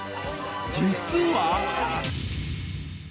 実は